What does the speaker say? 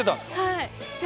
はい。